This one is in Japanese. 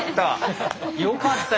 よかった。